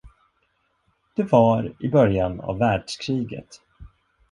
Det var i början av världskriget.